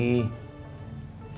cerita dong mandin